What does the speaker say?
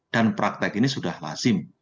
dan praktek ini sudah lazim